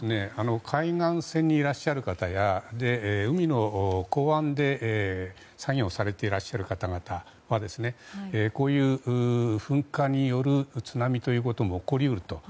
海岸線にいらっしゃる方や海の港湾で作業されている方々はこういう噴火による津波ということも起こり得ると。